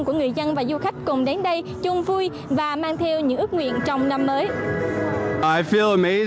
của người dân và du khách cùng đến đây chung vui và mang theo những ước nguyện trong năm mới